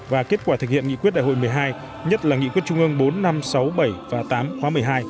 và kết quả thực hiện nghị quyết đại hội một mươi hai nhất là nghị quyết trung ương bốn năm trăm sáu mươi bảy và tám khóa một mươi hai